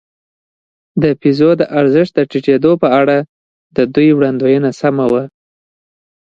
د پیزو د ارزښت ټیټېدو په اړه د دوی وړاندوېنه سمه وه.